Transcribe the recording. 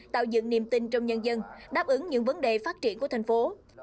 tạo dựng niềm tin trong nhân dân đáp ứng những vấn đề phát triển của thành phố